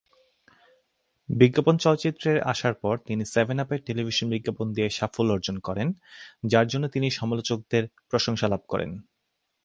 বিজ্ঞাপন চলচ্চিত্রের আসার পর, তিনি সেভেন আপের টেলিভিশন বিজ্ঞাপন দিয়ে সাফল্য অর্জন করেন, যার জন্য তিনি সমালোচকদের প্রশংসা লাভ করেন।